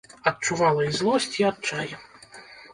Адчувала і злосць, і адчай.